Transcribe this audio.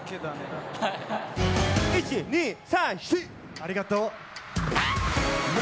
ありがとう！